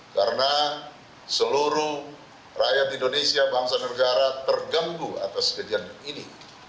karena seluruh rakyat indonesia bangsa dan negara terganggu atas kejadian ini